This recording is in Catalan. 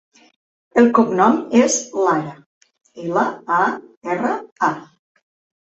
El cognom és Lara: ela, a, erra, a.